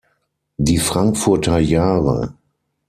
Die Frankfurter Jahre“.